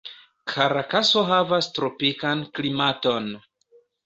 Karakaso havas tropikan klimaton.